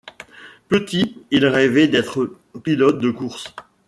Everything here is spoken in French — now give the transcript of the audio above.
Petit, il rêvait d'être pilote de course.